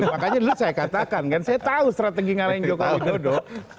makanya dulu saya katakan kan saya tahu strategi ngalahin jokowi dodo